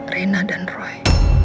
rina dan roy